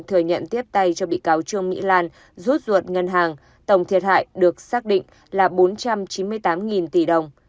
thừa nhận tiếp tay cho bị cáo trương mỹ lan rút ruột ngân hàng tổng thiệt hại được xác định là bốn trăm chín mươi tám tỷ đồng